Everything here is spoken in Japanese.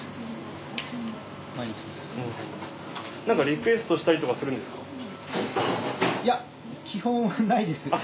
なんかリクエストしたりとかするんですか？